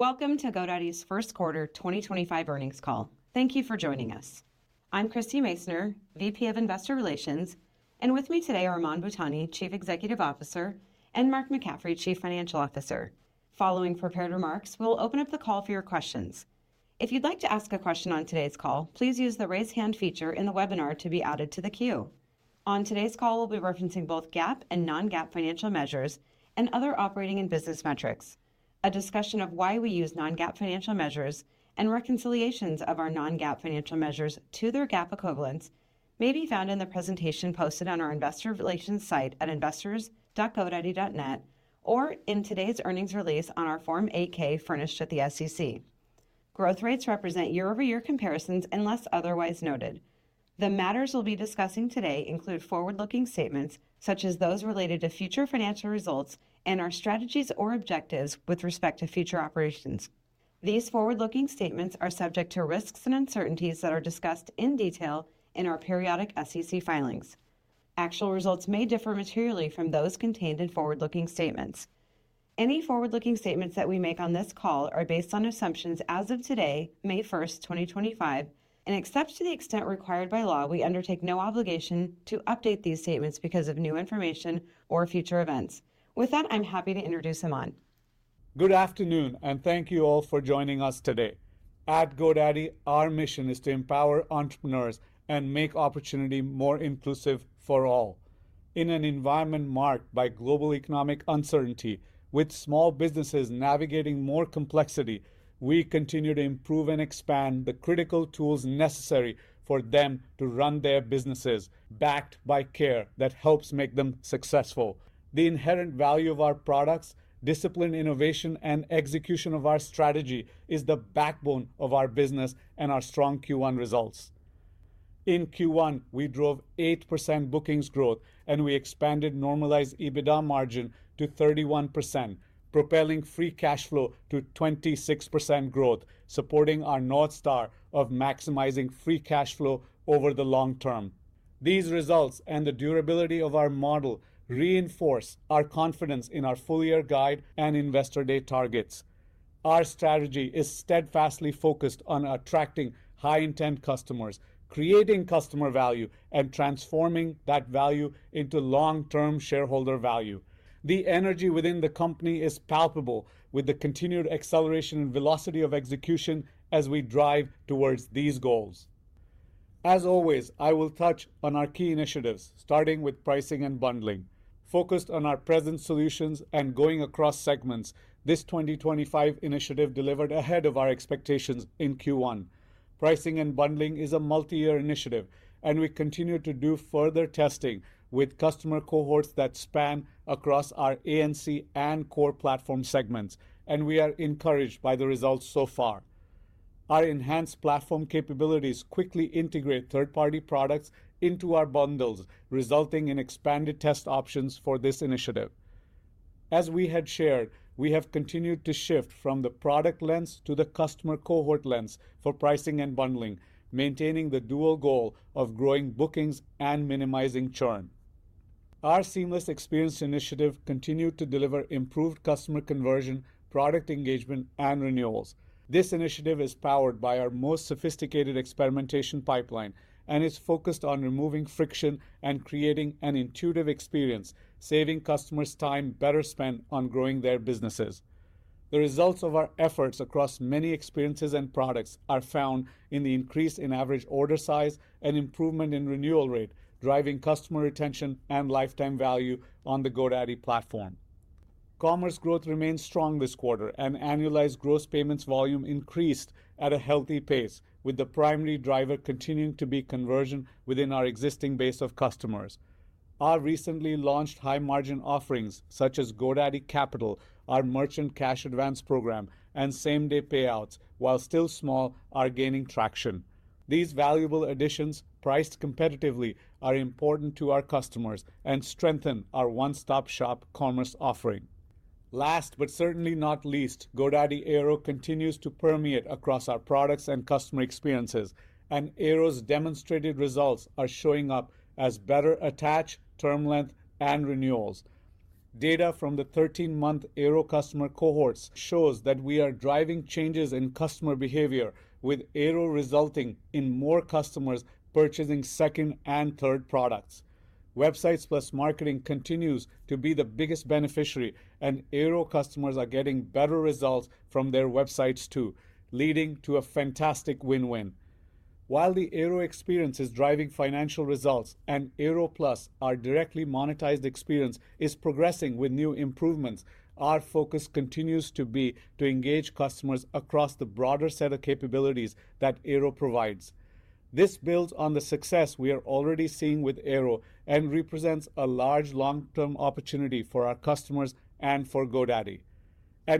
Welcome to GoDaddy's First Quarter 2025 Earnings Call. Thank you for joining us. I'm Christie Masoner, VP of Investor Relations, and with me today are Aman Bhutani, Chief Executive Officer, and Mark McCaffrey, Chief Financial Officer. Following prepared remarks, we'll open up the call for your questions. If you'd like to ask a question on today's call, please use the raise hand feature in the webinar to be added to the queue. On today's call, we'll be referencing both GAAP and non-GAAP financial measures and other operating and business metrics. A discussion of why we use non-GAAP financial measures and reconciliations of our non-GAAP financial measures to their GAAP equivalents may be found in the presentation posted on our Investor Relations site at investors.godaddy.net or in today's earnings release on our Form 8-K furnished at the SEC. Growth rates represent year-over-year comparisons unless otherwise noted. The matters we'll be discussing today include forward-looking statements such as those related to future financial results and our strategies or objectives with respect to future operations. These forward-looking statements are subject to risks and uncertainties that are discussed in detail in our periodic SEC filings. Actual results may differ materially from those contained in forward-looking statements. Any forward-looking statements that we make on this call are based on assumptions as of today, May 1, 2025, and except to the extent required by law, we undertake no obligation to update these statements because of new information or future events. With that, I'm happy to introduce Aman. Good afternoon, and thank you all for joining us today. At GoDaddy, our mission is to empower entrepreneurs and make opportunity more inclusive for all. In an environment marked by global economic uncertainty, with small businesses navigating more complexity, we continue to improve and expand the critical tools necessary for them to run their businesses, backed by care that helps make them successful. The inherent value of our products, discipline, innovation, and execution of our strategy is the backbone of our business and our strong Q1 results. In Q1, we drove 8% bookings growth, and we expanded normalized EBITDA margin to 31%, propelling free cash flow to 26% growth, supporting our North Star of maximizing free cash flow over the long term. These results and the durability of our model reinforce our confidence in our full-year guide and Investor Day targets. Our strategy is steadfastly focused on attracting high-intent customers, creating customer value, and transforming that value into long-term shareholder value. The energy within the company is palpable with the continued acceleration and velocity of execution as we drive towards these goals. As always, I will touch on our key initiatives, starting with pricing and bundling. Focused on our present solutions and going across segments, this 2025 initiative delivered ahead of our expectations in Q1. Pricing and bundling is a multi-year initiative, and we continue to do further testing with customer cohorts that span across our A&C and Core Platform segments, and we are encouraged by the results so far. Our enhanced platform capabilities quickly integrate third-party products into our bundles, resulting in expanded test options for this initiative. As we had shared, we have continued to shift from the product lens to the customer cohort lens for pricing and bundling, maintaining the dual goal of growing bookings and minimizing churn. Our seamless experience initiative continued to deliver improved customer conversion, product engagement, and renewals. This initiative is powered by our most sophisticated experimentation pipeline and is focused on removing friction and creating an intuitive experience, saving customers time better spent on growing their businesses. The results of our efforts across many experiences and products are found in the increase in average order size and improvement in renewal rate, driving customer retention and lifetime value on the GoDaddy platform. Commerce growth remained strong this quarter, and annualized gross payments volume increased at a healthy pace, with the primary driver continuing to be conversion within our existing base of customers. Our recently launched high-margin offerings, such as GoDaddy Capital, our merchant cash advance program, and same-day payouts, while still small, are gaining traction. These valuable additions, priced competitively, are important to our customers and strengthen our one-stop-shop commerce offering. Last but certainly not least, GoDaddy Airo continues to permeate across our products and customer experiences, and Airo's demonstrated results are showing up as better attach, term length, and renewals. Data from the 13th month Airo customer cohorts shows that we are driving changes in customer behavior, with Airo resulting in more customers purchasing second and third products. Websites + Marketing continues to be the biggest beneficiary, and Airo customers are getting better results from their websites too, leading to a fantastic win-win. While the Airo experience is driving financial results and Airo Plus, our directly monetized experience is progressing with new improvements, our focus continues to be to engage customers across the broader set of capabilities that Airo provides. This builds on the success we are already seeing with Airo and represents a large long-term opportunity for our customers and for GoDaddy.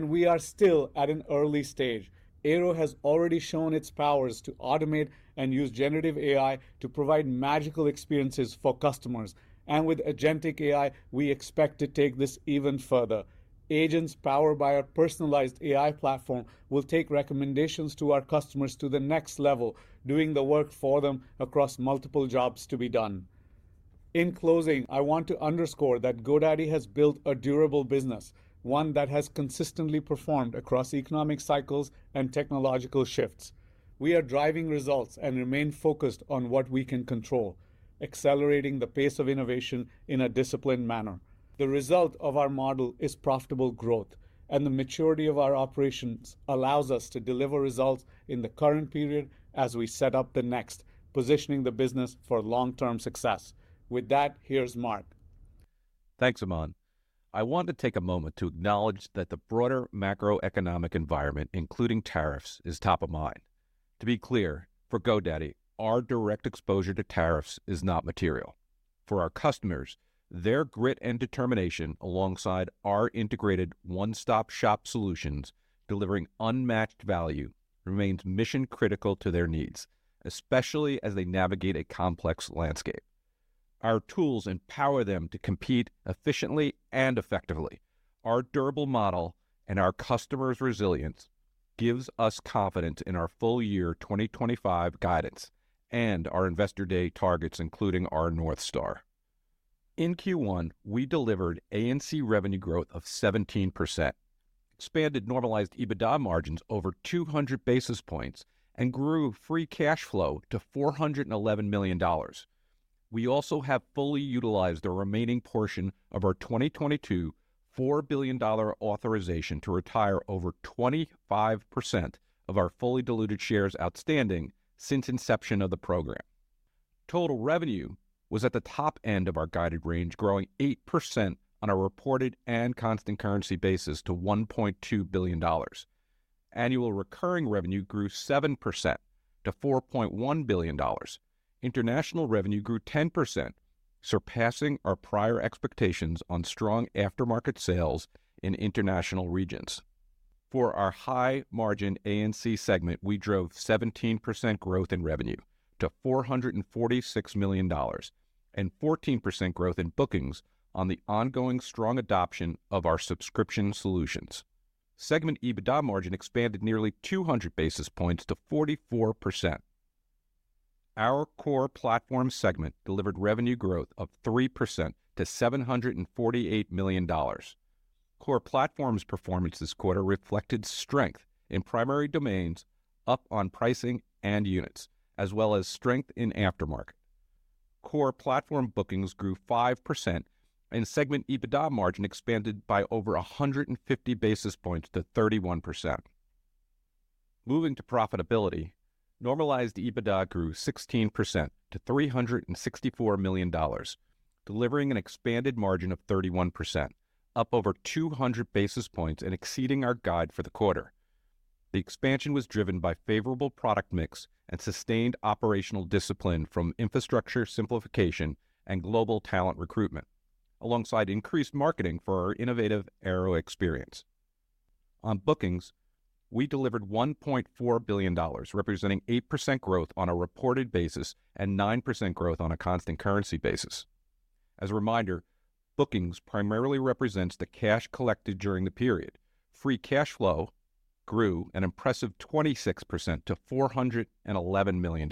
We are still at an early stage. Airo has already shown its powers to automate and use generative AI to provide magical experiences for customers, and with agentic AI, we expect to take this even further. Agents powered by our personalized AI platform will take recommendations to our customers to the next level, doing the work for them across multiple jobs to be done. In closing, I want to underscore that GoDaddy has built a durable business, one that has consistently performed across economic cycles and technological shifts. We are driving results and remain focused on what we can control, accelerating the pace of innovation in a disciplined manner. The result of our model is profitable growth, and the maturity of our operations allows us to deliver results in the current period as we set up the next, positioning the business for long-term success. With that, here's Mark. Thanks, Aman. I want to take a moment to acknowledge that the broader macroeconomic environment, including tariffs, is top of mind. To be clear, for GoDaddy, our direct exposure to tariffs is not material. For our customers, their grit and determination alongside our integrated one-stop-shop solutions delivering unmatched value remains mission-critical to their needs, especially as they navigate a complex landscape. Our tools empower them to compete efficiently and effectively. Our durable model and our customers' resilience give us confidence in our full-year 2025 guidance and our investor day targets, including our North Star. In Q1, we delivered A&C revenue growth of 17%, expanded normalized EBITDA margins over 200 basis points, and grew free cash flow to $411 million. We also have fully utilized the remaining portion of our 2022 $4 billion authorization to retire over 25% of our fully diluted shares outstanding since inception of the program. Total revenue was at the top end of our guided range, growing 8% on a reported and constant currency basis to $1.2 billion. Annual recurring revenue grew 7% to $4.1 billion. International revenue grew 10%, surpassing our prior expectations on strong aftermarket sales in international regions. For our high-margin A&C segment, we drove 17% growth in revenue to $446 million and 14% growth in bookings on the ongoing strong adoption of our subscription solutions. Segment EBITDA margin expanded nearly 200 basis points to 44%. Our Core Platform segment delivered revenue growth of 3% to $748 million. Core Platform's performance this quarter reflected strength in primary domains, up on pricing and units, as well as strength in aftermarket. Core Platform bookings grew 5%, and segment EBITDA margin expanded by over 150 basis points to 31%. Moving to profitability, normalized EBITDA grew 16% to $364 million, delivering an expanded margin of 31%, up over 200 basis points and exceeding our guide for the quarter. The expansion was driven by favorable product mix and sustained operational discipline from infrastructure simplification and global talent recruitment, alongside increased marketing for our innovative Airo experience. On bookings, we delivered $1.4 billion, representing 8% growth on a reported basis and 9% growth on a constant currency basis. As a reminder, bookings primarily represents the cash collected during the period. Free cash flow grew an impressive 26% to $411 million.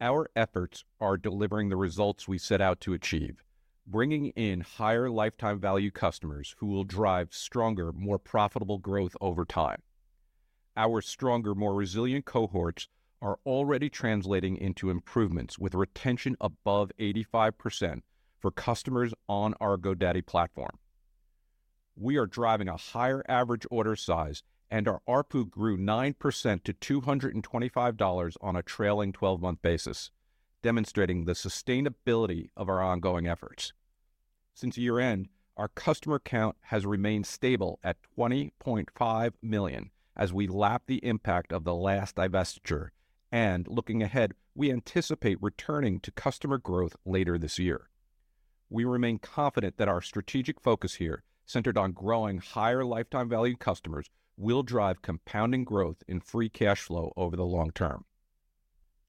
Our efforts are delivering the results we set out to achieve, bringing in higher lifetime value customers who will drive stronger, more profitable growth over time. Our stronger, more resilient cohorts are already translating into improvements with retention above 85% for customers on our GoDaddy platform. We are driving a higher average order size, and our ARPU grew 9% to $225 on a trailing 12-month basis, demonstrating the sustainability of our ongoing efforts. Since year-end, our customer count has remained stable at 20.5 million as we lap the impact of the last divestiture, and looking ahead, we anticipate returning to customer growth later this year. We remain confident that our strategic focus here, centered on growing higher lifetime value customers, will drive compounding growth in free cash flow over the long term.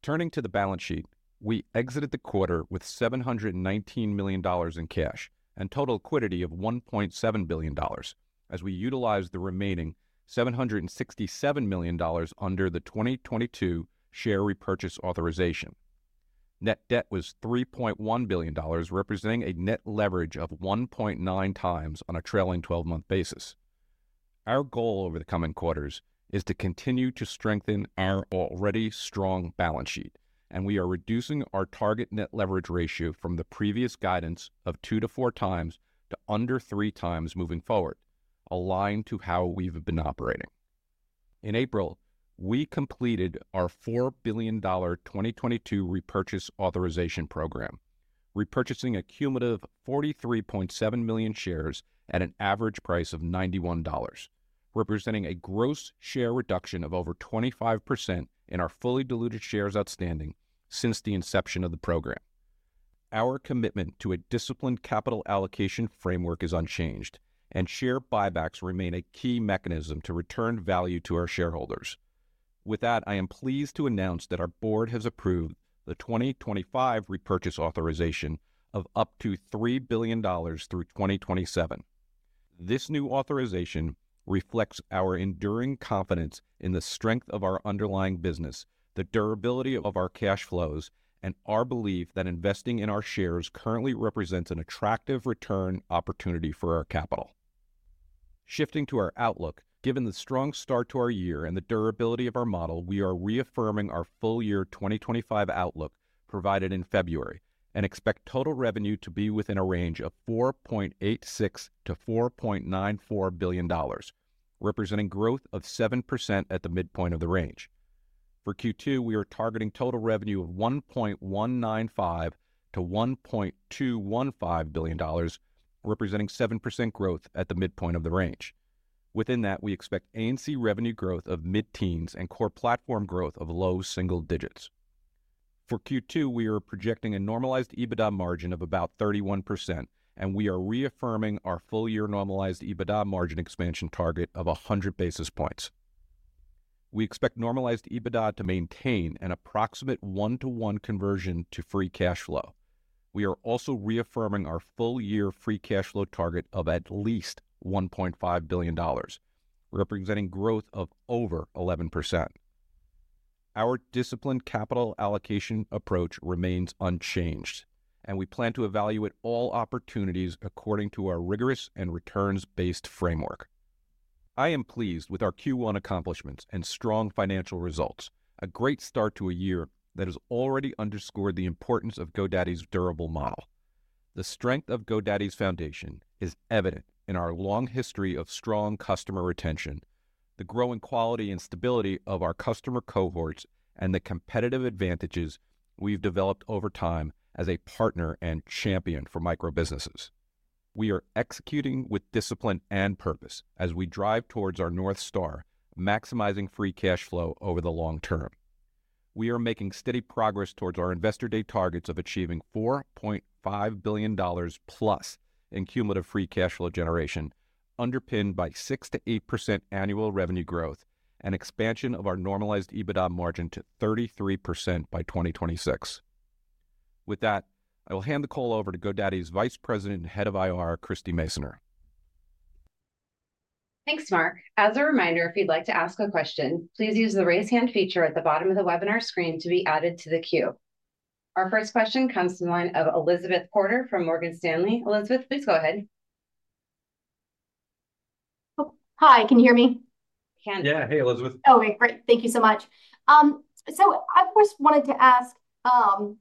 Turning to the balance sheet, we exited the quarter with $719 million in cash and total liquidity of $1.7 billion as we utilized the remaining $767 million under the 2022 share repurchase authorization. Net debt was $3.1 billion, representing a net leverage of 1.9 times on a trailing 12-month basis. Our goal over the coming quarters is to continue to strengthen our already strong balance sheet, and we are reducing our target net leverage ratio from the previous guidance of 2-4 times to under 3 times moving forward, aligned to how we've been operating. In April, we completed our $4 billion 2022 repurchase authorization program, repurchasing a cumulative 43.7 million shares at an average price of $91, representing a gross share reduction of over 25% in our fully diluted shares outstanding since the inception of the program. Our commitment to a disciplined capital allocation framework is unchanged, and share buybacks remain a key mechanism to return value to our shareholders. With that, I am pleased to announce that our board has approved the 2025 repurchase authorization of up to $3 billion through 2027. This new authorization reflects our enduring confidence in the strength of our underlying business, the durability of our cash flows, and our belief that investing in our shares currently represents an attractive return opportunity for our capital. Shifting to our outlook, given the strong start to our year and the durability of our model, we are reaffirming our full-year 2025 outlook provided in February and expect total revenue to be within a range of $4.86 billion-$4.94 billion, representing growth of 7% at the midpoint of the range. For Q2, we are targeting total revenue of $1.195 billion-$1.215 billion, representing 7% growth at the midpoint of the range. Within that, we expect A&C revenue growth of mid-teens and Core Platform growth of low single digits. For Q2, we are projecting a normalized EBITDA margin of about 31%, and we are reaffirming our full-year normalized EBITDA margin expansion target of 100 basis points. We expect normalized EBITDA to maintain an approximate 1:1 conversion to free cash flow. We are also reaffirming our full-year free cash flow target of at least $1.5 billion, representing growth of over 11%. Our disciplined capital allocation approach remains unchanged, and we plan to evaluate all opportunities according to our rigorous and returns-based framework. I am pleased with our Q1 accomplishments and strong financial results, a great start to a year that has already underscored the importance of GoDaddy's durable model. The strength of GoDaddy's foundation is evident in our long history of strong customer retention, the growing quality and stability of our customer cohorts, and the competitive advantages we've developed over time as a partner and champion for microbusinesses. We are executing with discipline and purpose as we drive towards our North Star, maximizing free cash flow over the long term. We are making steady progress towards our investor day targets of achieving $4.5 billion+ in cumulative free cash flow generation, underpinned by 6%-8% annual revenue growth and expansion of our normalized EBITDA margin to 33% by 2026. With that, I will hand the call over to GoDaddy's Vice President and Head of IR, Christie Masoner. Thanks, Mark. As a reminder, if you'd like to ask a question, please use the raise hand feature at the bottom of the webinar screen to be added to the queue. Our first question comes from the line of Elizabeth Porter from Morgan Stanley. Elizabeth, please go ahead. Hi, can you hear me? Yeah, hey, Elizabeth. Great. Thank you so much. I first wanted to ask on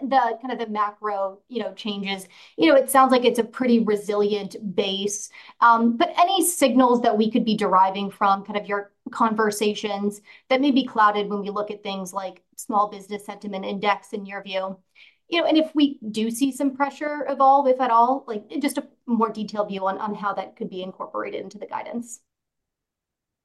the kind of the macro changes, you know, it sounds like it's a pretty resilient base, but any signals that we could be deriving from kind of your conversations that may be clouded when we look at things like small business sentiment index and rear view? If we do see some pressure evolve, if at all, just a more detailed view on how that could be incorporated into the guidance?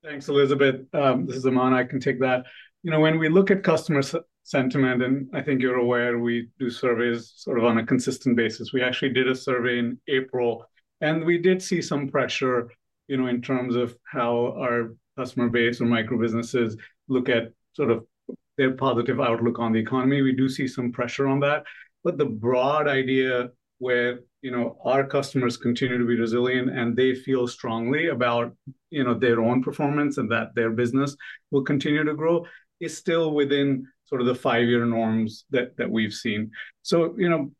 Thanks, Elizabeth. This is Aman. I can take that. You know, when we look at customer sentiment, and I think you're aware, we do surveys sort of on a consistent basis. We actually did a survey in April, and we did see some pressure, you know, in terms of how our customer base and microbusinesses look at sort of their positive outlook on the economy. We do see some pressure on that. The broad idea where, you know, our customers continue to be resilient and they feel strongly about, you know, their own performance and that their business will continue to grow is still within sort of the five-year norms that we've seen. You know,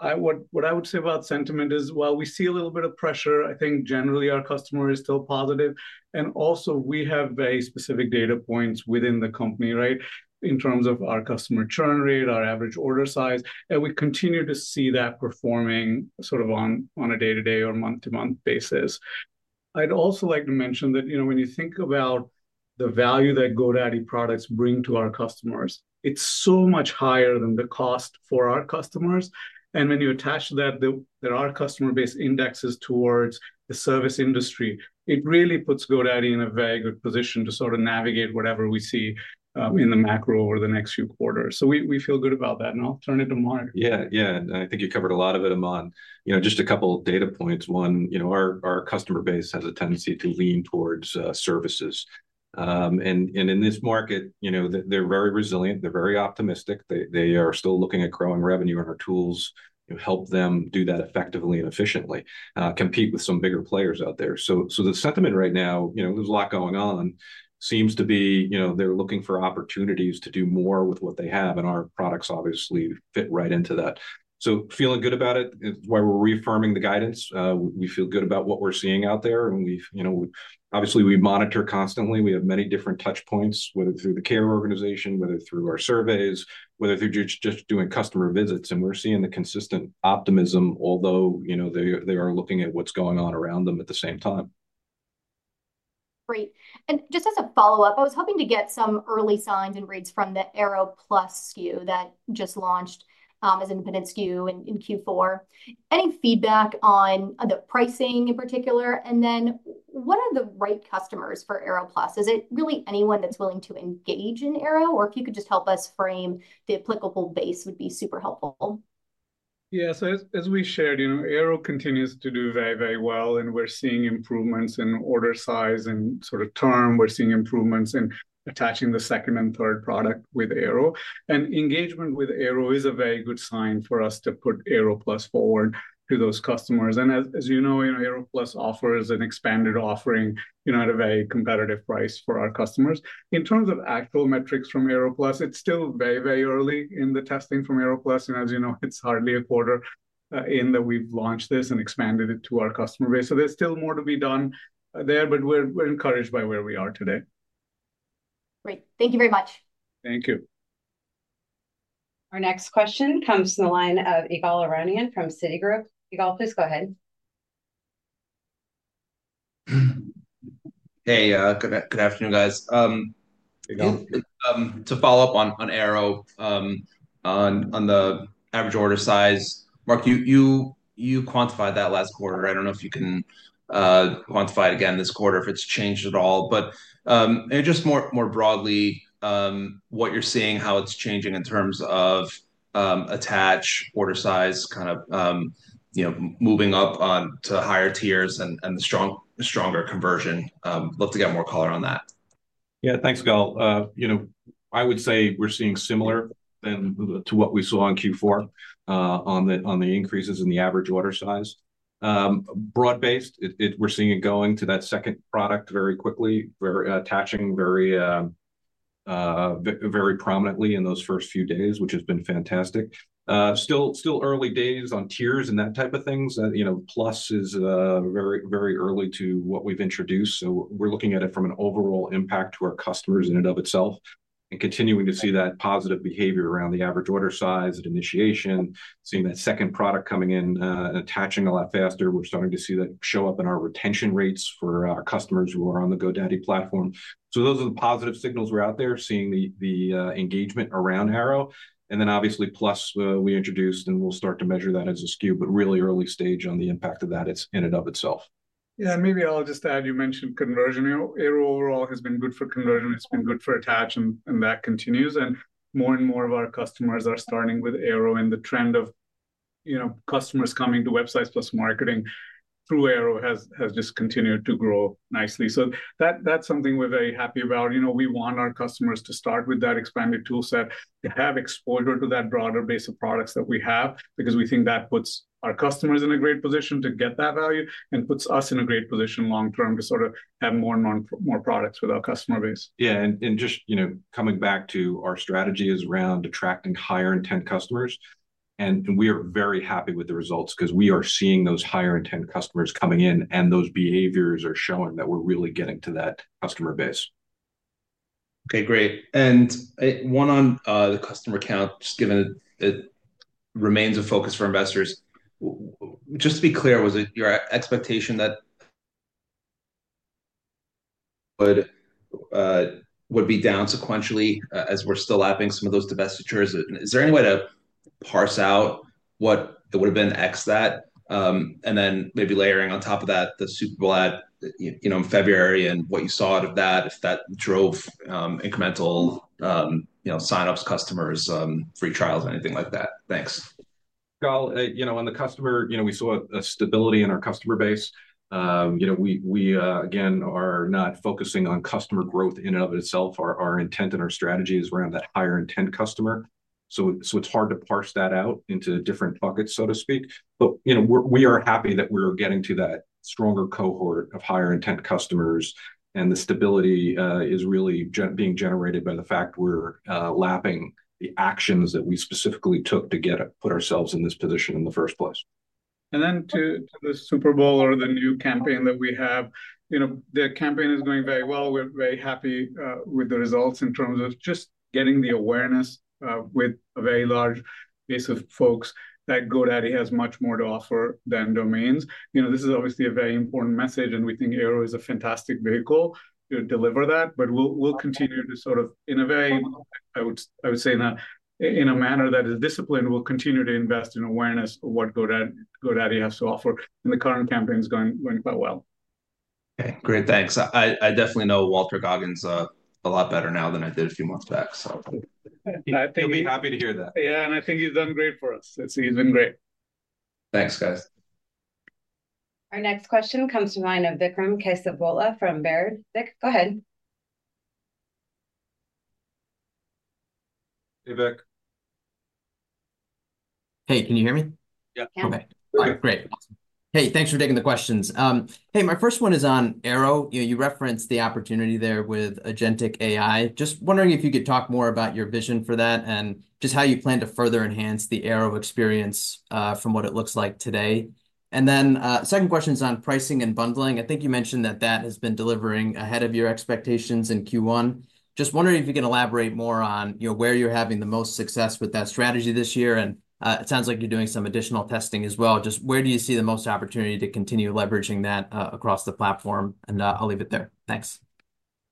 what I would say about sentiment is, while we see a little bit of pressure, I think generally our customer is still positive. We have very specific data points within the company, right, in terms of our customer churn rate, our average order size, and we continue to see that performing sort of on a day-to-day or month-to-month basis. I'd also like to mention that, you know, when you think about the value that GoDaddy products bring to our customers, it's so much higher than the cost for our customers. When you attach to that that our customer base indexes towards the service industry, it really puts GoDaddy in a very good position to sort of navigate whatever we see in the macro over the next few quarters. We feel good about that, and I'll turn it to Mark. Yeah, yeah. I think you covered a lot of it, Aman. You know, just a couple of data points. One, you know, our customer base has a tendency to lean towards services. In this market, you know, they're very resilient. They're very optimistic. They are still looking at growing revenue and our tools help them do that effectively and efficiently, compete with some bigger players out there. The sentiment right now, you know, there's a lot going on, seems to be, you know, they're looking for opportunities to do more with what they have, and our products obviously fit right into that. Feeling good about it is why we're reaffirming the guidance. We feel good about what we're seeing out there. We, you know, obviously monitor constantly. We have many different touch points, whether through the care organization, whether through our surveys, whether through just doing customer visits. We are seeing the consistent optimism, although, you know, they are looking at what's going on around them at the same time. Great. Just as a follow-up, I was hoping to get some early signs and reads from the Airo Plus SKU that just launched as an independent SKU in Q4. Any feedback on the pricing in particular? What are the right customers for Airo Plus? Is it really anyone that's willing to engage in Airo? If you could just help us frame the applicable base, that would be super helpful. Yeah. As we shared, you know, Airo continues to do very, very well, and we're seeing improvements in order size and sort of term. We're seeing improvements in attaching the second and third product with Airo. Engagement with Airo is a very good sign for us to put Airo Plus forward to those customers. As you know, you know, Airo Plus offers an expanded offering, you know, at a very competitive price for our customers. In terms of actual metrics from Airo Plus, it's still very, very early in the testing from Airo Plus. As you know, it's hardly a quarter in that we've launched this and expanded it to our customer base. There's still more to be done there, but we're encouraged by where we are today. Great. Thank you very much. Thank you. Our next question comes from the line of Ygal Arounian from Citigroup. Ygal, please go ahead. Hey, good afternoon, guys. To follow up on Airo, on the average order size, Mark, you quantified that last quarter. I do not know if you can quantify it again this quarter if it has changed at all. Just more broadly, what you are seeing, how it is changing in terms of attach order size, kind of, you know, moving up on to higher tiers and the stronger conversion. Love to get more color on that. Yeah, thanks, Gal. You know, I would say we're seeing similar to what we saw in Q4 on the increases in the average order size. Broad-based, we're seeing it going to that second product very quickly, attaching very prominently in those first few days, which has been fantastic. Still early days on tiers and that type of things. You know, Plus is very early to what we've introduced. We are looking at it from an overall impact to our customers in and of itself and continuing to see that positive behavior around the average order size at initiation, seeing that second product coming in and attaching a lot faster. We're starting to see that show up in our retention rates for our customers who are on the GoDaddy platform. Those are the positive signals we're out there seeing the engagement around Airo. Obviously, Plus we introduced and we'll start to measure that as a SKU, but really early stage on the impact of that in and of itself. Yeah, maybe I'll just add, you mentioned conversion. Airo overall has been good for conversion. It's been good for attach, and that continues. More and more of our customers are starting with Airo and the trend of, you know, customers coming to Websites + Marketing through Airo has just continued to grow nicely. That's something we're very happy about. You know, we want our customers to start with that expanded toolset, to have exposure to that broader base of products that we have, because we think that puts our customers in a great position to get that value and puts us in a great position long term to sort of have more products with our customer base. Yeah. Just, you know, coming back to our strategy is around attracting higher intent customers. We are very happy with the results because we are seeing those higher intent customers coming in, and those behaviors are showing that we're really getting to that customer base. Okay, great. One on the customer account, just given it remains a focus for investors. Just to be clear, was it your expectation that would be down sequentially as we're still lapping some of those divestitures? Is there any way to parse out what it would have been X that? Maybe layering on top of that, the Super Bowl ad, you know, in February and what you saw out of that, if that drove incremental, you know, sign-ups, customers, free trials, anything like that? Thanks. Gal, you know, on the customer, you know, we saw a stability in our customer base. You know, we again are not focusing on customer growth in and of itself. Our intent and our strategy is around that higher intent customer. It is hard to parse that out into different buckets, so to speak. You know, we are happy that we're getting to that stronger cohort of higher intent customers, and the stability is really being generated by the fact we're lapping the actions that we specifically took to put ourselves in this position in the first place. To the Super Bowl or the new campaign that we have, you know, the campaign is going very well. We're very happy with the results in terms of just getting the awareness with a very large base of folks that GoDaddy has much more to offer than domains. You know, this is obviously a very important message, and we think Airo is a fantastic vehicle to deliver that. We'll continue to sort of, in a very, I would say, in a manner that is disciplined, continue to invest in awareness of what GoDaddy has to offer. The current campaign is going quite well. Okay, great. Thanks. I definitely know Walton Goggins a lot better now than I did a few months back, so. I think he'll be happy to hear that. Yeah, I think he's done great for us. He's been great. Thanks, guys. Our next question comes from Vikram Kesavabhotla from Baird. Vik, go ahead. Hey, Vik. Hey, can you hear me? Yeah. Okay. Great. Hey, thanks for taking the questions. Hey, my first one is on Airo. You referenced the opportunity there with agentic AI. Just wondering if you could talk more about your vision for that and just how you plan to further enhance the Airo experience from what it looks like today. My second question is on pricing and bundling. I think you mentioned that that has been delivering ahead of your expectations in Q1. Just wondering if you can elaborate more on, you know, where you're having the most success with that strategy this year. It sounds like you're doing some additional testing as well. Just where do you see the most opportunity to continue leveraging that across the platform? I'll leave it there. Thanks.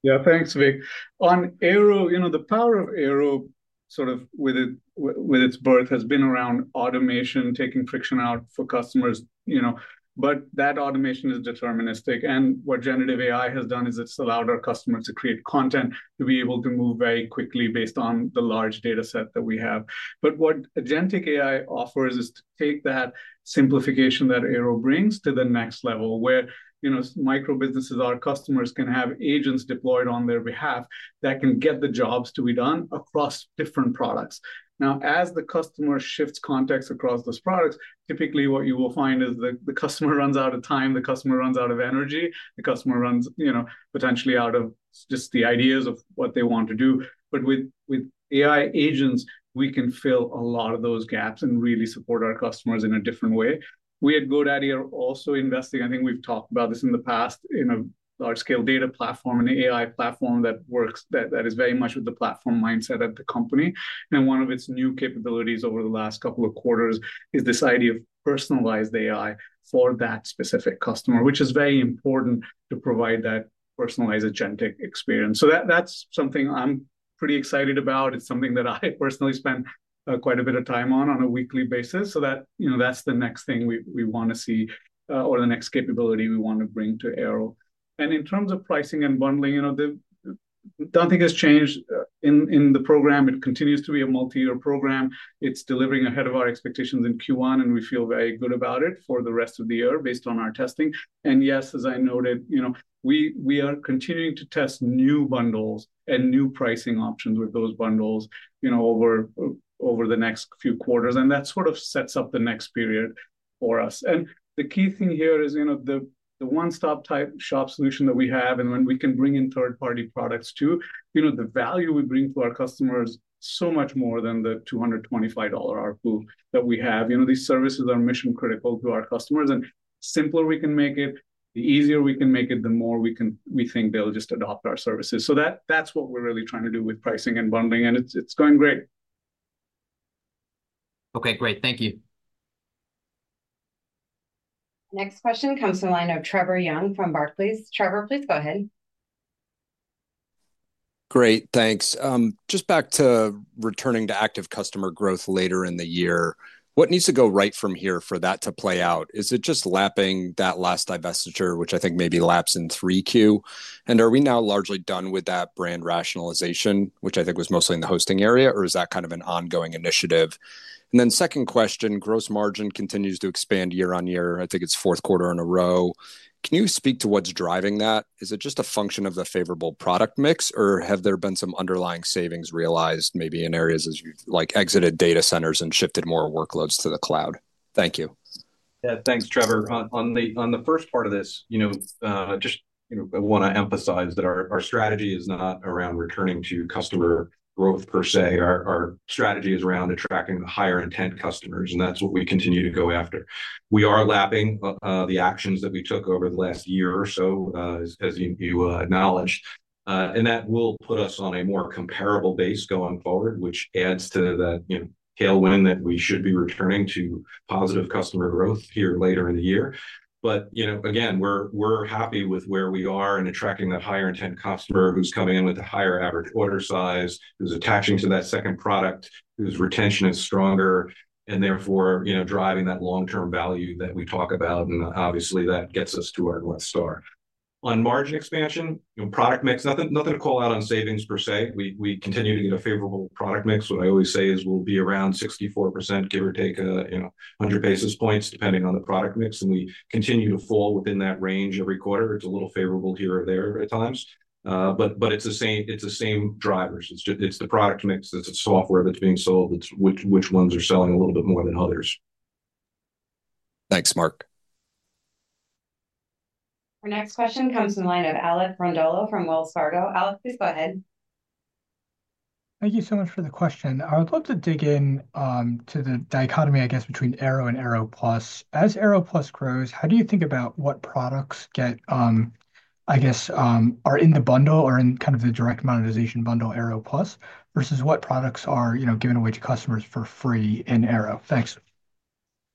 Yeah, thanks, Vik. On Airo, you know, the power of Airo sort of with its birth has been around automation, taking friction out for customers, you know, but that automation is deterministic. What generative AI has done is it's allowed our customers to create content, to be able to move very quickly based on the large dataset that we have. What agentic AI offers is to take that simplification that Airo brings to the next level where, you know, microbusinesses, our customers can have agents deployed on their behalf that can get the jobs to be done across different products. Now, as the customer shifts context across those products, typically what you will find is the customer runs out of time, the customer runs out of energy, the customer runs, you know, potentially out of just the ideas of what they want to do. With AI agents, we can fill a lot of those gaps and really support our customers in a different way. We at GoDaddy are also investing. I think we've talked about this in the past, you know, large-scale data platform and AI platform that works that is very much with the platform mindset at the company. One of its new capabilities over the last couple of quarters is this idea of personalized AI for that specific customer, which is very important to provide that personalized agentic experience. That's something I'm pretty excited about. It's something that I personally spend quite a bit of time on, on a weekly basis. That's the next thing we want to see or the next capability we want to bring to Airo. In terms of pricing and bundling, you know, the don't think has changed in the program. It continues to be a multi-year program. It is delivering ahead of our expectations in Q1, and we feel very good about it for the rest of the year based on our testing. Yes, as I noted, you know, we are continuing to test new bundles and new pricing options with those bundles, you know, over the next few quarters. That sort of sets up the next period for us. The key thing here is, you know, the one-stop type shop solution that we have, and when we can bring in third-party products too, you know, the value we bring to our customers is so much more than the $225 ARPU that we have. You know, these services are mission-critical to our customers. The simpler we can make it, the easier we can make it, the more we think they'll just adopt our services. That is what we're really trying to do with pricing and bundling, and it's going great. Okay, great. Thank you. Next question comes from the line of Trevor Young from Barclays. Trevor, please go ahead. Great, thanks. Just back to returning to active customer growth later in the year, what needs to go right from here for that to play out? Is it just lapping that last divestiture, which I think maybe laps in 3Q? Are we now largely done with that brand rationalization, which I think was mostly in the hosting area, or is that kind of an ongoing initiative? Second question, gross margin continues to expand year on year. I think it's fourth quarter in a row. Can you speak to what's driving that? Is it just a function of the favorable product mix, or have there been some underlying savings realized maybe in areas as you've like exited data centers and shifted more workloads to the cloud? Thank you. Yeah, thanks, Trevor. On the first part of this, you know, just, you know, I want to emphasize that our strategy is not around returning to customer growth per se. Our strategy is around attracting higher intent customers, and that's what we continue to go after. We are lapping the actions that we took over the last year or so, as you acknowledged. That will put us on a more comparable base going forward, which adds to that, you know, tailwind that we should be returning to positive customer growth here later in the year. You know, again, we're happy with where we are in attracting that higher intent customer who's coming in with a higher average order size, who's attaching to that second product, whose retention is stronger, and therefore, you know, driving that long-term value that we talk about. Obviously, that gets us to our North Star. On margin expansion, you know, product mix, nothing to call out on savings per se. We continue to get a favorable product mix. What I always say is we'll be around 64%, give or take, you know, 100 basis points depending on the product mix. We continue to fall within that range every quarter. It's a little favorable here or there at times. It's the same drivers. It's the product mix. It's the software that's being sold, which ones are selling a little bit more than others. Thanks, Mark. Our next question comes from the line of Alec Brondolo from Wells Fargo. Alec, please go ahead. Thank you so much for the question. I would love to dig into the dichotomy, I guess, between Airo and Airo Plus. As Airo Plus grows, how do you think about what products get, I guess, are in the bundle or in kind of the direct monetization bundle Airo Plus versus what products are, you know, given away to customers for free in Airo? Thanks.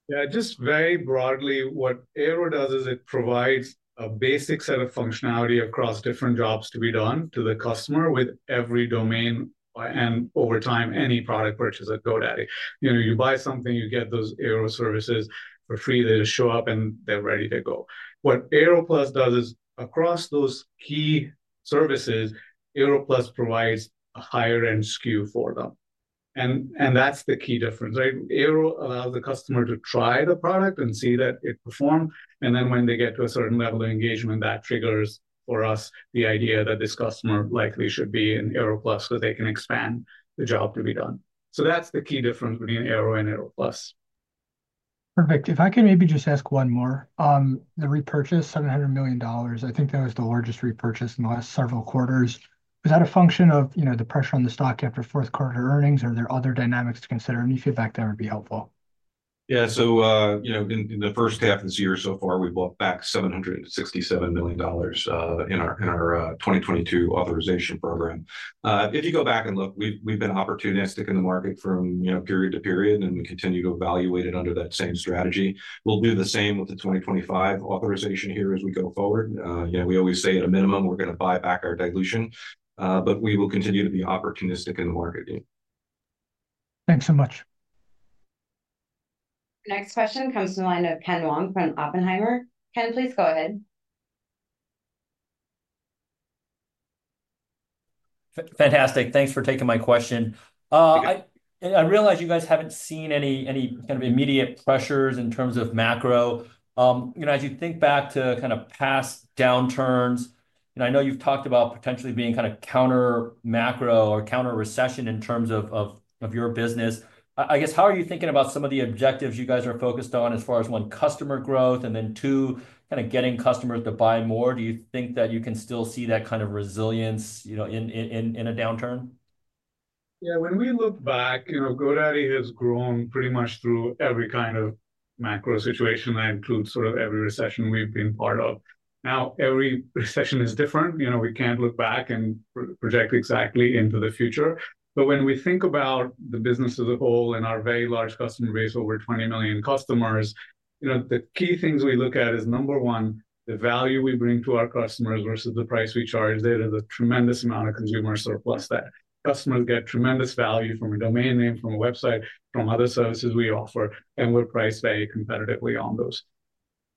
Yeah, just very broadly, what Airo does is it provides a basic set of functionality across different jobs to be done to the customer with every domain and over time, any product purchase at GoDaddy. You know, you buy something, you get those Airo services for free. They just show up and they're ready to go. What Airo Plus does is across those key services, Airo Plus provides a higher-end SKU for them. And that's the key difference, right? Airo allows the customer to try the product and see that it performs. Then when they get to a certain level of engagement, that triggers for us the idea that this customer likely should be in Airo Plus because they can expand the job to be done. So that's the key difference between Airo and Airo Plus. Perfect. If I can maybe just ask one more, the repurchase, $700 million, I think that was the largest repurchase in the last several quarters. Was that a function of, you know, the pressure on the stock after fourth quarter earnings or are there other dynamics to consider? Any feedback there would be helpful. Yeah, so, you know, in the first half of this year so far, we bought back $767 million in our 2022 authorization program. If you go back and look, we've been opportunistic in the market from, you know, period to period, and we continue to evaluate it under that same strategy. We'll do the same with the 2025 authorization here as we go forward. You know, we always say at a minimum, we're going to buy back our dilution, but we will continue to be opportunistic in the market. Thanks so much. Next question comes from the line of Ken Wong from Oppenheimer. Ken, please go ahead. Fantastic. Thanks for taking my question. I realize you guys haven't seen any kind of immediate pressures in terms of macro. You know, as you think back to kind of past downturns, you know, I know you've talked about potentially being kind of counter macro or counter recession in terms of your business. I guess, how are you thinking about some of the objectives you guys are focused on as far as one, customer growth, and then two, kind of getting customers to buy more? Do you think that you can still see that kind of resilience, you know, in a downturn? Yeah, when we look back, you know, GoDaddy has grown pretty much through every kind of macro situation. That includes sort of every recession we've been part of. Now, every recession is different. You know, we can't look back and project exactly into the future. When we think about the business as a whole and our very large customer base, over 20 million customers, you know, the key things we look at is number one, the value we bring to our customers versus the price we charge there. There's a tremendous amount of consumer surplus there. Customers get tremendous value from a domain name, from a website, from other services we offer, and we're priced very competitively on those.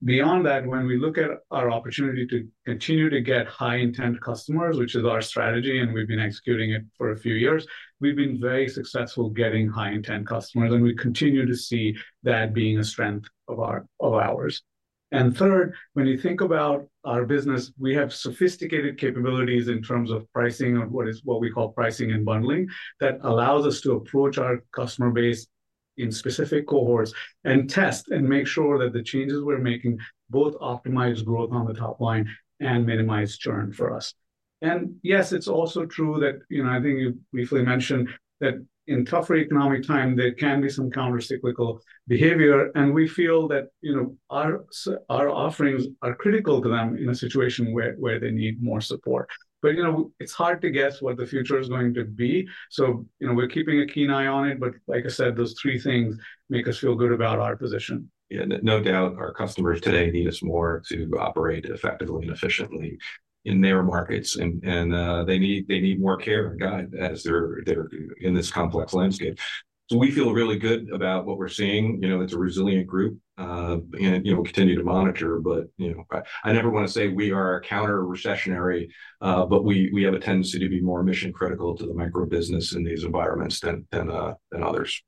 Beyond that, when we look at our opportunity to continue to get high-intent customers, which is our strategy, and we've been executing it for a few years, we've been very successful getting high-intent customers, and we continue to see that being a strength of ours. Third, when you think about our business, we have sophisticated capabilities in terms of pricing and what we call pricing and bundling that allows us to approach our customer base in specific cohorts and test and make sure that the changes we're making both optimize growth on the top line and minimize churn for us. Yes, it's also true that, you know, I think you briefly mentioned that in tougher economic time, there can be some countercyclical behavior. We feel that, you know, our offerings are critical to them in a situation where they need more support. You know, it's hard to guess what the future is going to be. You know, we're keeping a keen eye on it. Like I said, those three things make us feel good about our position. Yeah, no doubt our customers today need us more to operate effectively and efficiently in their markets. They need more care and guide as they're in this complex landscape. We feel really good about what we're seeing. You know, it's a resilient group, and you know, we'll continue to monitor. You know, I never want to say we are counter-recessionary, but we have a tendency to be more mission-critical to the microbusiness in these environments than others.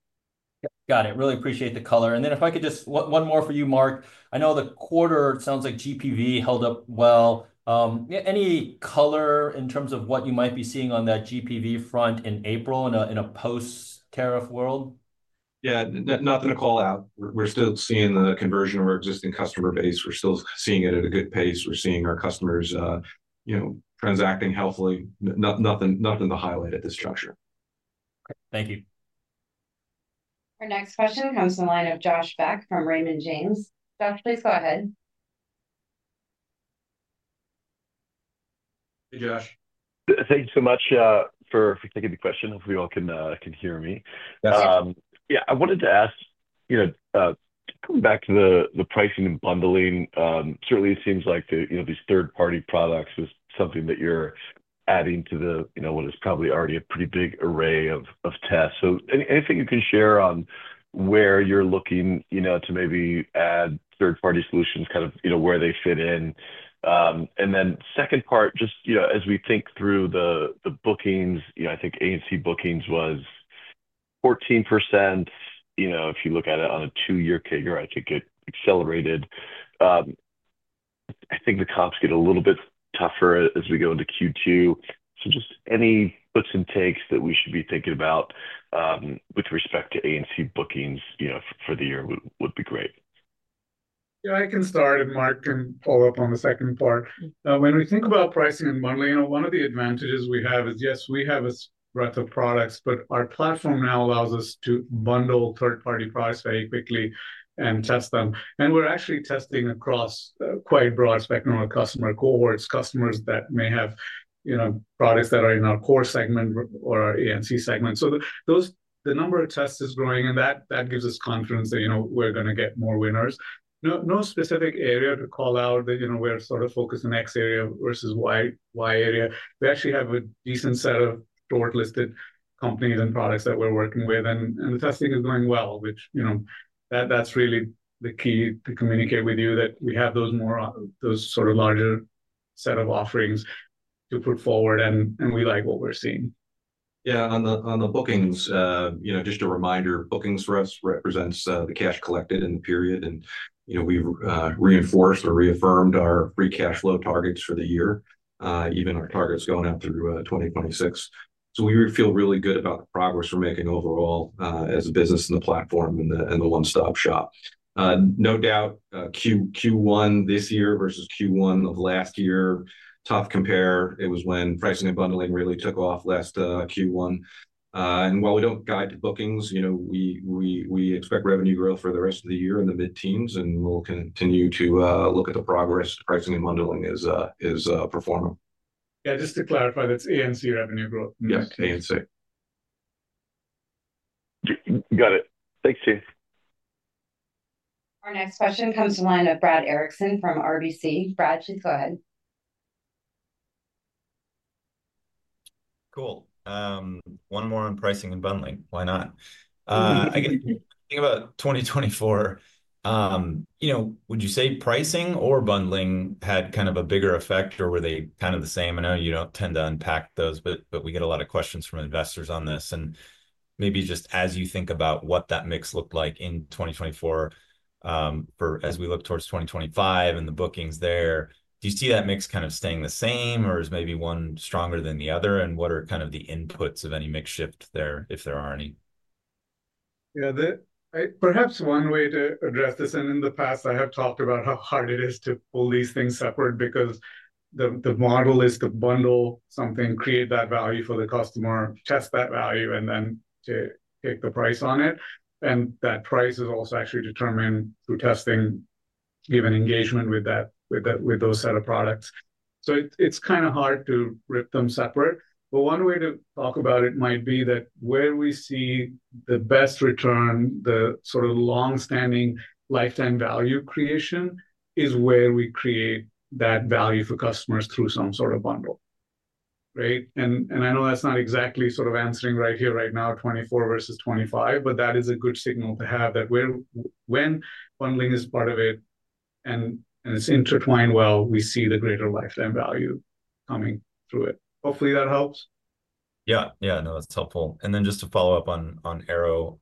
Got it. Really appreciate the color. If I could just one more for you, Mark. I know the quarter sounds like GPV held up well. Any color in terms of what you might be seeing on that GPV front in April in a post-tariff world? Yeah, nothing to call out. We're still seeing the conversion of our existing customer base. We're still seeing it at a good pace. We're seeing our customers, you know, transacting healthily. Nothing to highlight at this juncture. Okay, thank you. Our next question comes from the line of Josh Beck from Raymond James. Josh, please go ahead. Hey, Josh. Thank you so much for taking the question. Hopefully, you all can hear me. That's awesome. Yeah, I wanted to ask, you know, coming back to the pricing and bundling, certainly it seems like these third-party products is something that you're adding to the, you know, what is probably already a pretty big array of tests. Anything you can share on where you're looking, you know, to maybe add third-party solutions, kind of, you know, where they fit in? The second part, just, you know, as we think through the bookings, you know, I think A&C bookings was 14%, you know, if you look at it on a two-year figure, I think it accelerated. I think the comps get a little bit tougher as we go into Q2. Just any puts and takes that we should be thinking about with respect to A&C bookings, you know, for the year would be great. Yeah, I can start, and Mark can follow up on the second part. When we think about pricing and bundling, you know, one of the advantages we have is, yes, we have a breadth of products, but our platform now allows us to bundle third-party products very quickly and test them. We are actually testing across quite a broad spectrum of customer cohorts, customers that may have, you know, products that are in our core segment or our A&C segment. The number of tests is growing, and that gives us confidence that, you know, we are going to get more winners. No specific area to call out that, you know, we are sort of focused in X area versus Y area. We actually have a decent set of shortlisted companies and products that we're working with, and the testing is going well, which, you know, that's really the key to communicate with you that we have those, more of those sort of larger set of offerings to put forward, and we like what we're seeing. Yeah, on the bookings, you know, just a reminder, bookings for us represents the cash collected in the period. You know, we've reinforced or reaffirmed our free cash flow targets for the year, even our targets going up through 2026. We feel really good about the progress we're making overall as a business in the platform and the one-stop shop. No doubt Q1 this year versus Q1 of last year, tough compare. It was when pricing and bundling really took off last Q1. While we don't guide to bookings, you know, we expect revenue growth for the rest of the year in the mid-teens, and we'll continue to look at the progress pricing and bundling is performing. Yeah, just to clarify, that's A&C revenue growth. Yeah, A&C. Got it. Thanks, Steve. Our next question comes from the line of Brad Erickson from RBC. Brad, please go ahead. Cool. One more on pricing and bundling. Why not? I guess thinking about 2024, you know, would you say pricing or bundling had kind of a bigger effect, or were they kind of the same? I know you do not tend to unpack those, but we get a lot of questions from investors on this. Maybe just as you think about what that mix looked like in 2024 for as we look towards 2025 and the bookings there, do you see that mix kind of staying the same, or is maybe one stronger than the other? What are kind of the inputs of any mix shift there, if there are any? Yeah, perhaps one way to address this, and in the past, I have talked about how hard it is to pull these things separate because the model is to bundle something, create that value for the customer, test that value, and then to take the price on it. That price is also actually determined through testing, given engagement with that, with those set of products. It's kind of hard to rip them separate. One way to talk about it might be that where we see the best return, the sort of long-standing lifetime value creation is where we create that value for customers through some sort of bundle, right? I know that's not exactly sort of answering right here right now, 24 versus 25, but that is a good signal to have that when bundling is part of it and it's intertwined well, we see the greater lifetime value coming through it. Hopefully, that helps. Yeah, yeah, no, that's helpful. Just to follow up on Airo,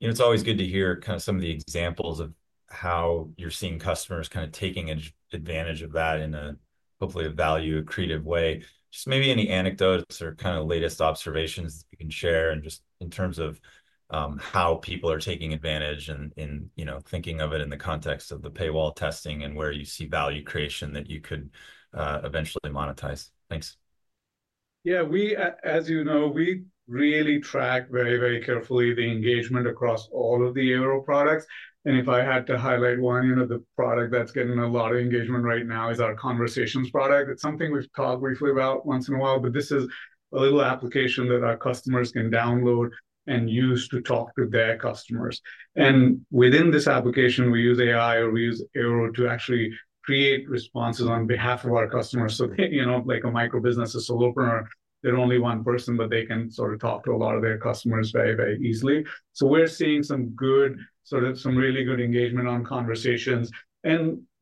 you know, it's always good to hear kind of some of the examples of how you're seeing customers kind of taking advantage of that in a hopefully value, a creative way. Just maybe any anecdotes or kind of latest observations that you can share just in terms of how people are taking advantage and, you know, thinking of it in the context of the paywall testing and where you see value creation that you could eventually monetize. Thanks. Yeah, as you know, we really track very, very carefully the engagement across all of the Airo products. If I had to highlight one, you know, the product that's getting a lot of engagement right now is our Conversations product. It's something we've talked briefly about once in a while, but this is a little application that our customers can download and use to talk to their customers. Within this application, we use AI or we use Airo to actually create responses on behalf of our customers. They, you know, like a microbusiness, a solopreneur, they're only one person, but they can sort of talk to a lot of their customers very, very easily. We're seeing some good, sort of some really good engagement on Conversations.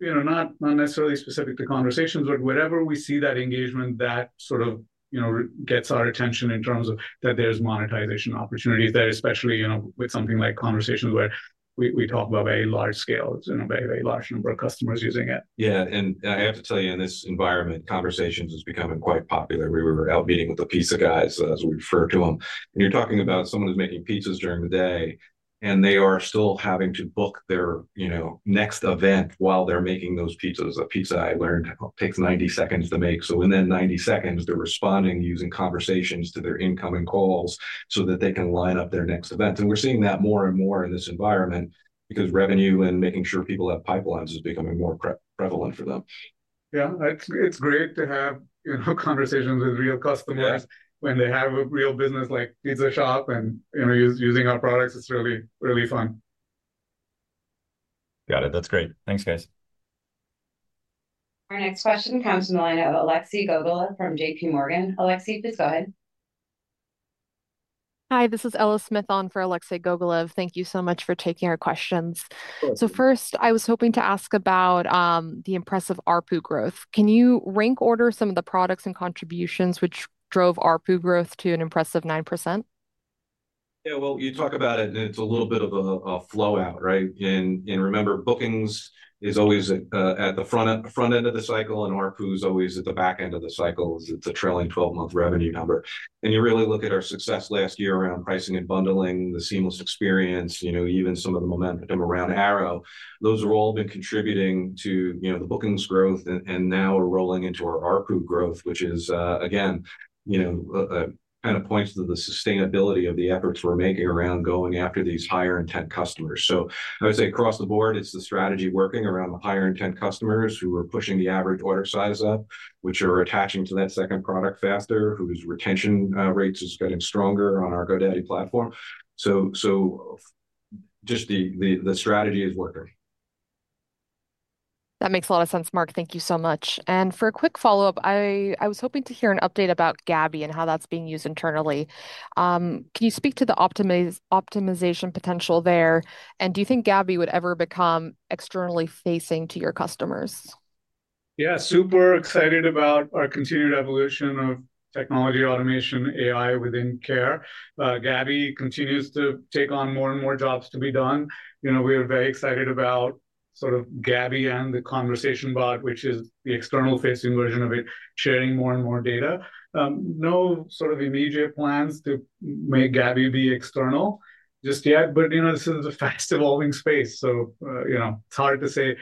You know, not necessarily specific to Conversations, but wherever we see that engagement, that sort of, you know, gets our attention in terms of that there's monetization opportunities there, especially, you know, with something like Conversations where we talk about very large scales, you know, very, very large number of customers using it. Yeah, and I have to tell you, in this environment, Conversations is becoming quite popular. We were out meeting with the pizza guys as we refer to them. You're talking about someone who's making pizzas during the day, and they are still having to book their, you know, next event while they're making those pizzas. A pizza, I learned, takes 90 seconds to make. Within 90 seconds, they're responding using Conversations to their incoming calls so that they can line up their next event. We're seeing that more and more in this environment because revenue and making sure people have pipelines is becoming more prevalent for them. Yeah, it's great to have, you know, conversations with real customers when they have a real business like pizza shop and, you know, using our products. It's really, really fun. Got it. That's great. Thanks, guys. Our next question comes from the line of Ella Smith representing Alexei Gogolev from J.P. Morgan. Alexei, please go ahead. Hi, this is Ella Smith on for Alexei Gogolev. Thank you so much for taking our questions. First, I was hoping to ask about the impressive ARPU growth. Can you rank order some of the products and contributions which drove ARPU growth to an impressive 9%? Yeah, you talk about it, and it's a little bit of a flow out, right? Remember, bookings is always at the front end of the cycle, and ARPU is always at the back end of the cycle. It's a trailing 12-month revenue number. You really look at our success last year around pricing and bundling, the seamless experience, you know, even some of the momentum around Airo. Those have all been contributing to, you know, the bookings growth, and now we're rolling into our ARPU growth, which is, again, you know, kind of points to the sustainability of the efforts we're making around going after these higher-intent customers. I would say across the board, it's the strategy working around the higher-intent customers who are pushing the average order size up, which are attaching to that second product faster, whose retention rates are getting stronger on our GoDaddy platform. Just the strategy is working. That makes a lot of sense, Mark. Thank you so much. For a quick follow-up, I was hoping to hear an update about Gabi and how that's being used internally. Can you speak to the optimization potential there? Do you think Gabi would ever become externally facing to your customers? Yeah, super excited about our continued evolution of technology automation, AI within care. Gabi continues to take on more and more jobs to be done. You know, we are very excited about sort of GABI and the conversation bot, which is the external-facing version of it, sharing more and more data. No sort of immediate plans to make Gabi be external just yet, but, you know, this is a fast-evolving space. You know, it's hard to say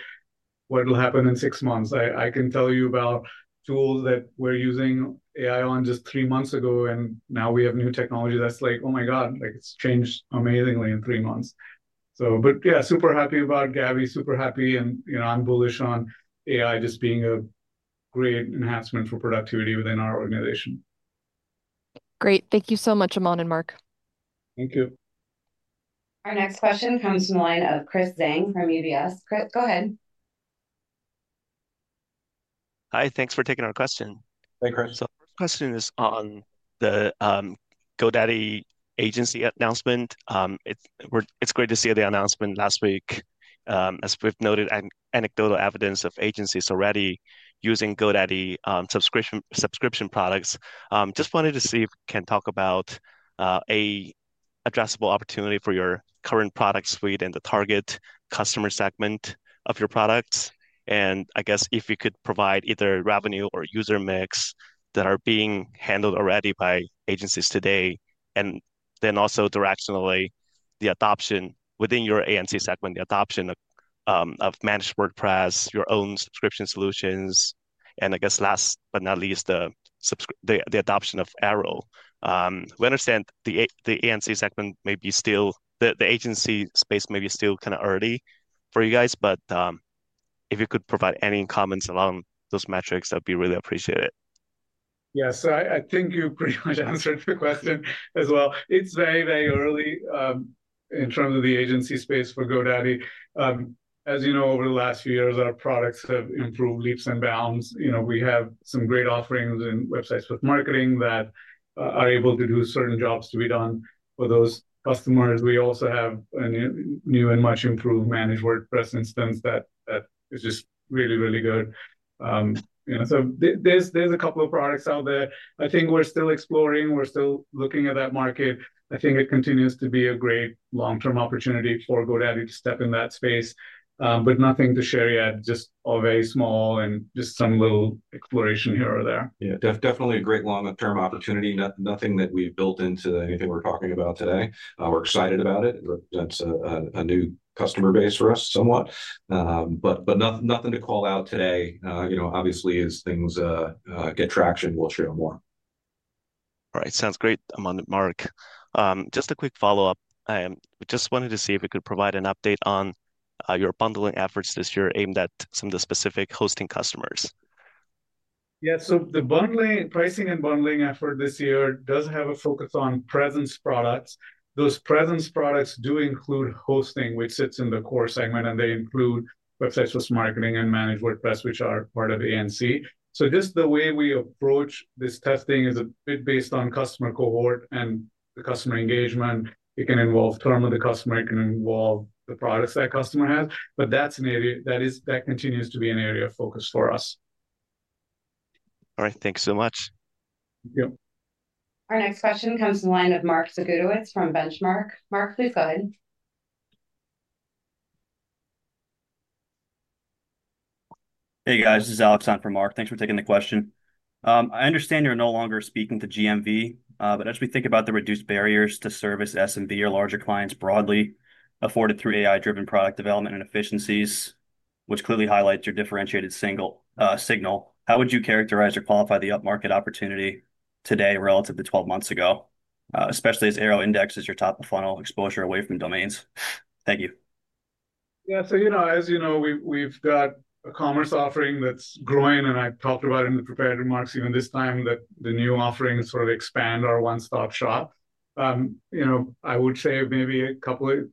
what will happen in six months. I can tell you about tools that we're using AI on just three months ago, and now we have new technology that's like, oh my God, like it's changed amazingly in three months. Yeah, super happy about Gabi, super happy, and, you know, I'm bullish on AI just being a great enhancement for productivity within our organization. Great. Thank you so much, Aman and Mark. Thank you. Our next question comes from the line of Chris Zhang from UBS. Chris, go ahead. Hi, thanks for taking our question. Hey, Chris. The first question is on the GoDaddy agency announcement. It's great to see the announcement last week. As we've noted, anecdotal evidence of agencies already using GoDaddy subscription products. Just wanted to see if you can talk about an addressable opportunity for your current product suite and the target customer segment of your products. I guess if you could provide either revenue or user mix that are being handled already by agencies today, and also directionally the adoption within your A&C segment, the adoption of Managed WordPress, your own subscription solutions, and I guess last but not least, the adoption of Airo. We understand the A&C segment may be still, the agency space may be still kind of early for you guys, but if you could provide any comments along those metrics, that'd be really appreciated. Yeah, I think you pretty much answered the question as well. It's very, very early in terms of the agency space for GoDaddy. As you know, over the last few years, our products have improved leaps and bounds. You know, we have some great offerings in Websites + Marketing that are able to do certain jobs to be done for those customers. We also have a new and much improved Managed WordPress instance that is just really, really good. You know, there's a couple of products out there. I think we're still exploring. We're still looking at that market. I think it continues to be a great long-term opportunity for GoDaddy to step in that space, but nothing to share yet, just all very small and just some little exploration here or there. Yeah, definitely a great long-term opportunity. Nothing that we've built into anything we're talking about today. We're excited about it. That's a new customer base for us somewhat. Nothing to call out today. You know, obviously, as things get traction, we'll share more. All right, sounds great, Aman and Mark. Just a quick follow-up. We just wanted to see if we could provide an update on your bundling efforts this year aimed at some of the specific hosting customers. Yeah, so the bundling, pricing and bundling effort this year does have a focus on presence products. Those presence products do include hosting, which sits in the core segment, and they include Websites + Marketing and Managed WordPress, which are part of A&C. Just the way we approach this testing is a bit based on customer cohort and the customer engagement. It can involve term of the customer. It can involve the products that customer has. That's an area that continues to be an area of focus for us. All right, thanks so much. Thank you. Our next question comes from the line of Mark Zgutowicz from Benchmark. Mark, please go ahead. Hey, guys, this is Alex on for Mark. Thanks for taking the question. I understand you're no longer speaking to GMV, but as we think about the reduced barriers to service SMB or larger clients broadly afforded through AI-driven product development and efficiencies, which clearly highlights your differentiated signal, how would you characterize or qualify the upmarket opportunity today relative to 12 months ago, especially as Airo indexes your top of funnel exposure away from domains? Thank you. Yeah, so, you know, as you know, we've got a commerce offering that's growing, and I talked about it in the prepared remarks even this time that the new offering sort of expands our one-stop shop. You know, I would say maybe a couple of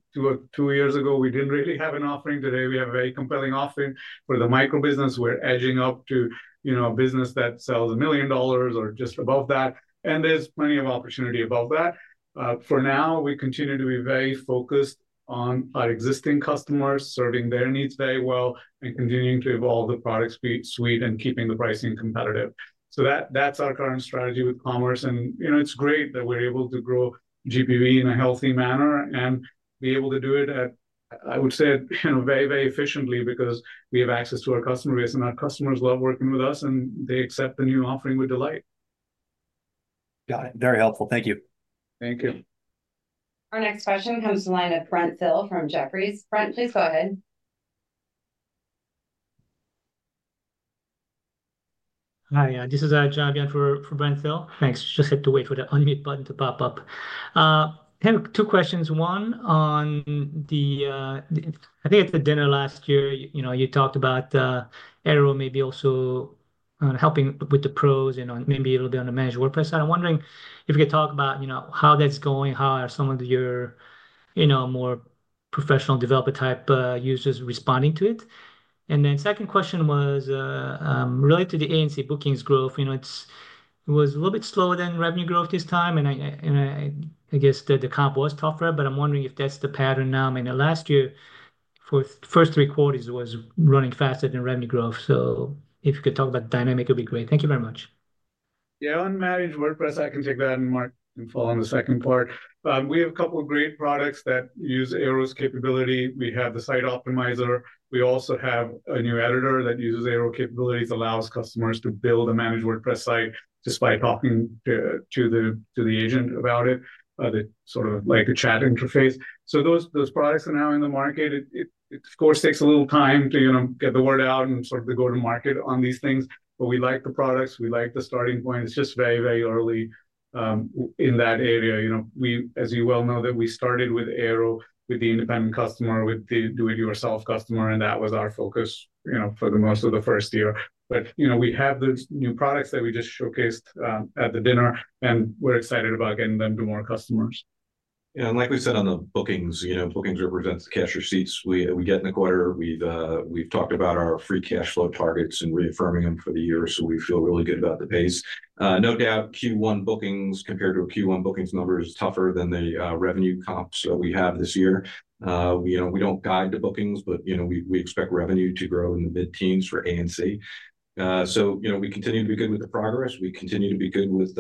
two years ago, we didn't really have an offering. Today, we have a very compelling offering for the microbusiness. We're edging up to, you know, a business that sells a million dollars or just above that. And there's plenty of opportunity above that. For now, we continue to be very focused on our existing customers, serving their needs very well, and continuing to evolve the product suite and keeping the pricing competitive. So that's our current strategy with commerce. You know, it's great that we're able to grow GPV in a healthy manner and be able to do it at, I would say, you know, very, very efficiently because we have access to our customer base, and our customers love working with us, and they accept the new offering with delight. Got it. Very helpful. Thank you. Thank you. Our next question comes from the line of Brent Thill from Jefferies. Brent, please go ahead. Hi, this is John again for Brent Thill. Thanks. Just had to wait for the unmute button to pop up. I have two questions. One, on the, I think at the dinner last year, you know, you talked about Airo, maybe also helping with the pros and maybe a little bit on the Managed WordPress. I'm wondering if you could talk about, you know, how that's going, how are some of your, you know, more professional developer type users responding to it. And then second question was related to the A&C bookings growth. You know, it was a little bit slower than revenue growth this time, and I guess the comp was tougher, but I'm wondering if that's the pattern now. I mean, last year, first three quarters was running faster than revenue growth. So if you could talk about the dynamic, it would be great. Thank you very much. Yeah, on Managed WordPress, I can take that and Mark can follow on the second part. We have a couple of great products that use Airo's capability. We have the Site Optimizer. We also have a new editor that uses Airo capabilities, allows customers to build a Managed WordPress site just by talking to the agent about it, sort of like a chat interface. Those products are now in the market. It, of course, takes a little time to, you know, get the word out and sort of the go-to-market on these things. We like the products. We like the starting point. It's just very, very early in that area. You know, we, as you well know, started with Airo, with the independent customer, with the do-it-yourself customer, and that was our focus, you know, for most of the first year. You know, we have the new products that we just showcased at the dinner, and we're excited about getting them to more customers. Yeah, and like we said on the bookings, you know, bookings represent the cash receipts we get in the quarter. We've talked about our free cash flow targets and reaffirming them for the year. We feel really good about the pace. No doubt, Q1 bookings compared to a Q1 bookings number is tougher than the revenue comps that we have this year. You know, we don't guide the bookings, but, you know, we expect revenue to grow in the mid-teens for A&C. You know, we continue to be good with the progress. We continue to be good with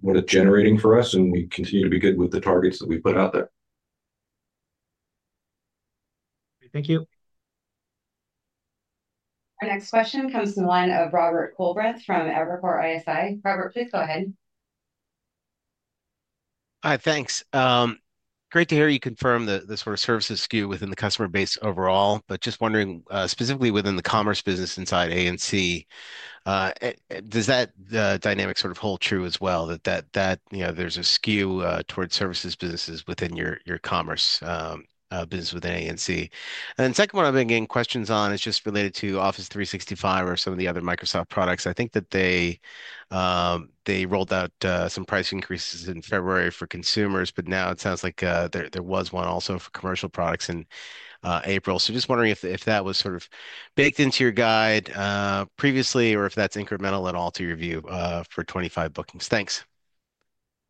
what it's generating for us, and we continue to be good with the targets that we put out there. Thank you. Our next question comes from the line of Robert Coolbrith from Evercore ISI. Robert, please go ahead. Hi, thanks. Great to hear you confirm that this sort of services skew within the customer base overall, but just wondering specifically within the commerce business inside A&C, does that dynamic sort of hold true as well? That, you know, there's a skew towards services businesses within your commerce business within A&C. The second one I'm bringing questions on is just related to Office 365 or some of the other Microsoft products. I think that they rolled out some price increases in February for consumers, but now it sounds like there was one also for commercial products in April. Just wondering if that was sort of baked into your guide previously or if that's incremental at all to your view for 2025 bookings. Thanks.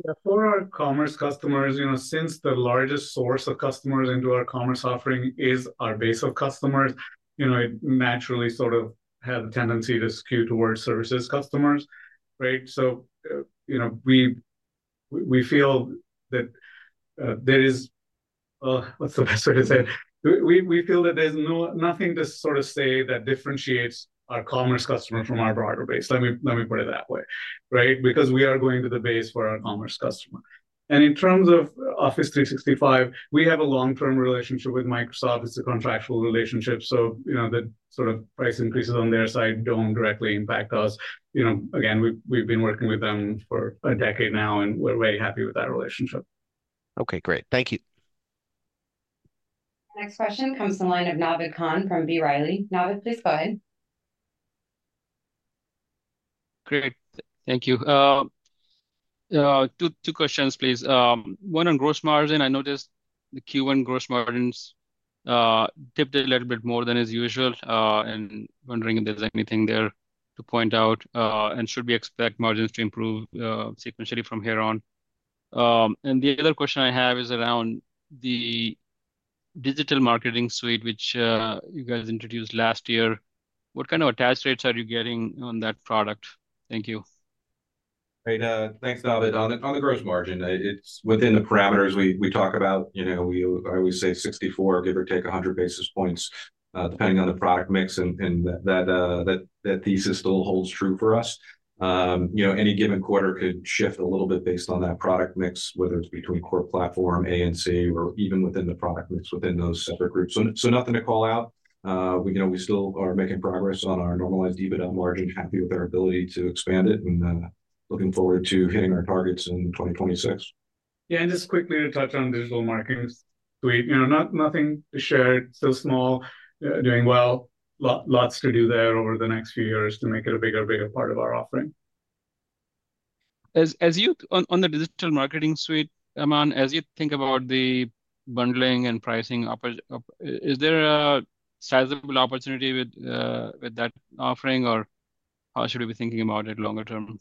Yeah, for our commerce customers, you know, since the largest source of customers into our commerce offering is our base of customers, you know, it naturally sort of had a tendency to skew towards services customers, right? You know, we feel that there is, what's the best way to say it? We feel that there's nothing to sort of say that differentiates our commerce customer from our broader base. Let me put it that way, right? Because we are going to the base for our commerce customer. In terms of Office 365, we have a long-term relationship with Microsoft. It's a contractual relationship. You know, the sort of price increases on their side don't directly impact us. You know, again, we've been working with them for a decade now, and we're very happy with that relationship. Okay, great. Thank you. Next question comes from the line of Naved Khan from B. Riley. Naved, please go ahead. Great. Thank you. Two questions, please. One on gross margin. I noticed the Q1 gross margins dipped a little bit more than as usual, and wondering if there's anything there to point out and should we expect margins to improve sequentially from here on? The other question I have is around the Digital Marketing Suite, which you guys introduced last year. What kind of attached rates are you getting on that product? Thank you. Great. Thanks, Naved. On the gross margin, it's within the parameters we talk about. You know, I always say 64, give or take 100 basis points, depending on the product mix, and that thesis still holds true for us. You know, any given quarter could shift a little bit based on that product mix, whether it's between Core Platform, A&C, or even within the product mix within those separate groups. Nothing to call out. You know, we still are making progress on our normalized EBITDA margin, happy with our ability to expand it, and looking forward to hitting our targets in 2026. Yeah, and just quickly to touch on Digital Marketing Suite, you know, nothing to share. It's still small, doing well. Lots to do there over the next few years to make it a bigger, bigger part of our offering. As you, on the Digital Marketing Suite, Aman, as you think about the bundling and pricing, is there a sizable opportunity with that offering, or how should we be thinking about it longer term?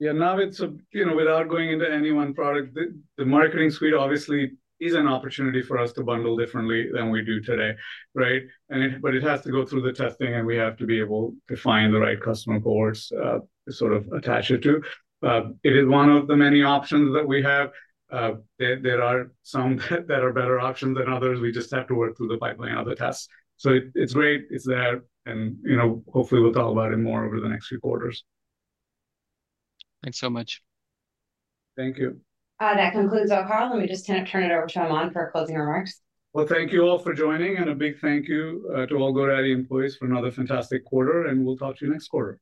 Yeah, Naved, you know, without going into any one product, the marketing suite obviously is an opportunity for us to bundle differently than we do today, right? It has to go through the testing, and we have to be able to find the right customer cohorts to sort of attach it to. It is one of the many options that we have. There are some that are better options than others. We just have to work through the pipeline of the tests. It is great. It is there. You know, hopefully we will talk about it more over the next few quarters. Thanks so much. Thank you. That concludes our call. Let me just turn it over to Aman for closing remarks. Thank you all for joining, and a big thank you to all GoDaddy employees for another fantastic quarter, and we'll talk to you next quarter.